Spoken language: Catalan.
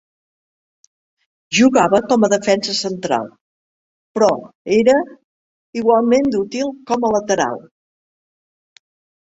Jugava com a defensa central, però era igualment d'útil com a lateral.